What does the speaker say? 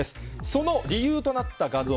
その理由となった画像